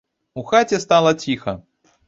У хаце стала ціха.